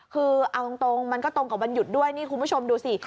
คือเอาตรงมันก็ตรงกับวันหยุดด้วยนี่คุณผู้ชมดูสิ